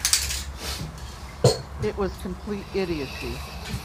It was complete idiocy.